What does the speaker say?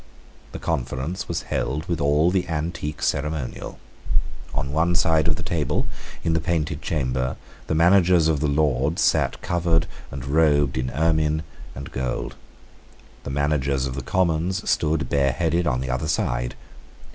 The conference was held with all the antique ceremonial. On one side of the table, in the Painted Chamber, the managers of the Lords sate covered and robed in ermine and gold. The managers of the Commons stood bareheaded on the other side.